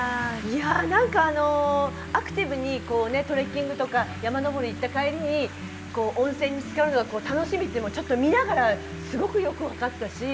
いや何かアクティブにトレッキングとか山登り行った帰りに温泉につかるのが楽しみって今ちょっと見ながらすごくよく分かったし。